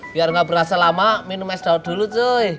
biar gak berasa lama minum es daun dulu cuy